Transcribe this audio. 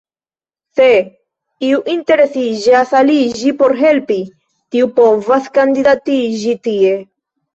Se iu interesiĝas aliĝi por helpi, tiu povas kandidatiĝi tie.